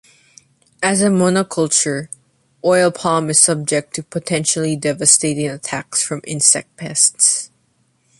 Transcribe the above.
As a monoculture, oil palm is subject to potentially devastating attacks from insect pests.